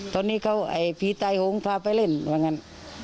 ตอนนี้เขาไอ้ผีตายหงพาไปเล่นว่างั้น